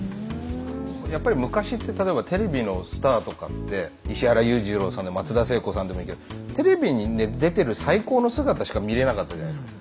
やっぱり昔って例えばテレビのスターとかって石原裕次郎さんでも松田聖子さんでもいいけどテレビに出てる最高の姿しか見れなかったじゃないですか。